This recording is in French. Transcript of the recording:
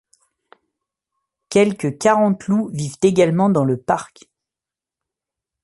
Quelque quarante loups vivent également dans le parc.